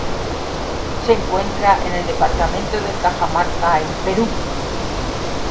Se encuentra en el departamento de Cajamarca, en Perú.